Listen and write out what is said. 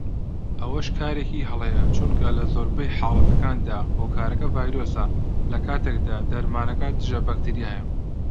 ئەوەش کارێکی هەڵەیە چونکە لە زۆربەی حاڵەتەکاندا هۆکارەکە ڤایرۆسە لەکاتێکدا دەرمانەکە دژە بەکتریایە